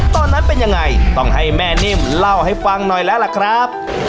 ตอนนั้นเป็นยังไงต้องให้แม่นิ่มเล่าให้ฟังหน่อยแล้วล่ะครับ